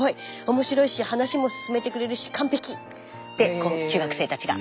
面白いし話も進めてくれるし完璧！って中学生たちが。